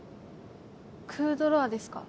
クードロアですか？